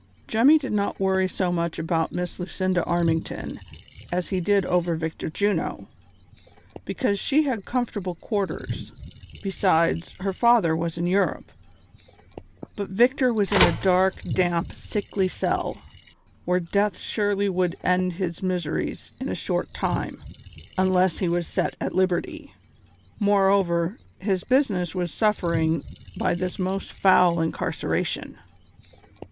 Jemrny did not worry so much about Miss Lucinda Armington as he did over A^ictor Juno, because she had comfortable quarters, besides, her father was in Europe ; but Victor was in a dark, damp, sickly cell, where death surely would end his miseries in a short time, unless he Avas set at lil)erty ; moreover, his business was suffering by this most foul incarceration.